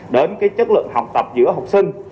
đến chất lượng học tập giữa học sinh